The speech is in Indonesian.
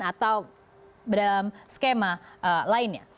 atau dalam skema lainnya